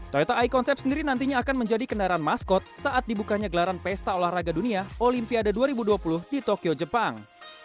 toyota i konsep sendiri nantinya akan menjadi kendaraan maskot saat dibukanya gelaran pesta olahraga dunia olimpiade dua ribu dua puluh di tokyo jepang